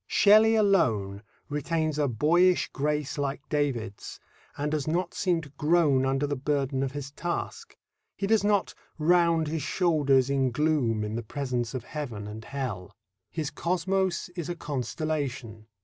Shelley alone retains a boyish grace like David's, and does not seem to groan under the burden of his task. He does not round his shoulders in gloom in the presence of Heaven and Hell. His cosmos is a constellation.